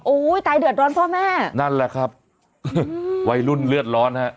ตายเดือดร้อนพ่อแม่นั่นแหละครับวัยรุ่นเลือดร้อนฮะ